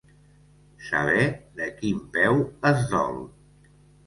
Saber de quin peu es dol.